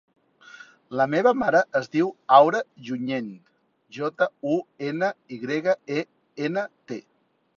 La meva mare es diu Aura Junyent: jota, u, ena, i grega, e, ena, te.